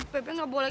bebe enggak boleh